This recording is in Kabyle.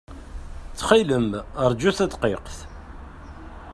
Ttxil-m, ṛju tadqiqt.